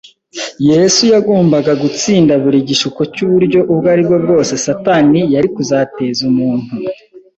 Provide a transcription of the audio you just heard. Yesu yagombaga gutsinda buri gishuko cy’uburyo ubwo ari bwo bwose Satani yari kuzateza umuntu.